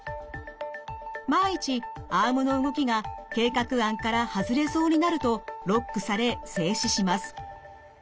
万一アームの動きが計画案から外れそうになるとロックされ制止します。